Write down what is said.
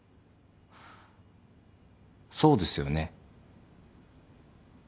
そうですよね？